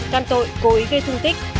căn tội cố ý gây thương tích